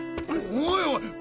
おいおい！